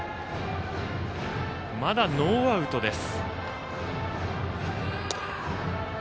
まだノーアウトです。